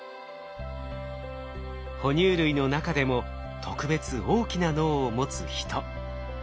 哺乳類の中でも特別大きな脳を持つヒト。